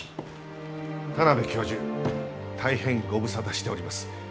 田邊教授大変ご無沙汰しております。